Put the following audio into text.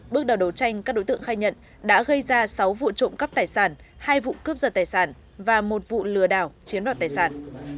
bước đầu đấu tranh các đối tượng khai nhận đã gây ra sáu vụ trộm cắp tài sản hai vụ cướp giật tài sản và một vụ lừa đảo chiếm đoạt tài sản